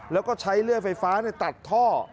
แล้วก็ใช้เลื่อยไฟฟ้าตัดท่อ